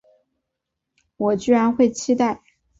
我居然会期待